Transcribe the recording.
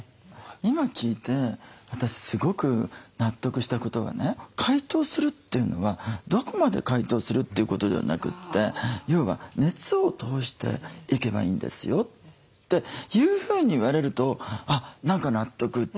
今聞いて私すごく納得したことはね解凍するというのはどこまで解凍するということではなくて要は「熱を通していけばいいんですよ」というふうに言われるとあっ何か納得っていう。